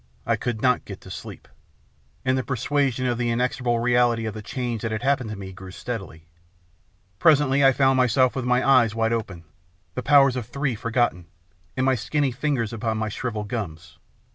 I could not get to sleep. And the persuasion of the inexor able reality of the change that had happened to me grew steadily. Presently I found myself with my eyes wide open, the powers of three forgotten, and my skinny ringers upon my shrivelled gums.